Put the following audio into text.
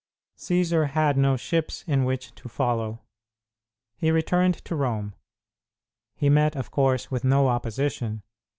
Cćsar had no ships in which to follow. He returned to Rome. He met, of course, with no opposition.